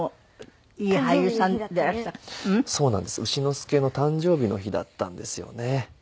丑之助の誕生日の日だったんですよね。